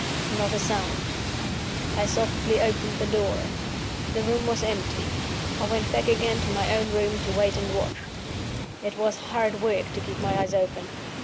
Not a sound. I softly opened the door. The room was empty. I went back again to my own room to wait and watch. It was hard work to keep my eyes open.